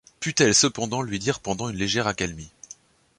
put-elle cependant lui dire pendant une légère accalmie.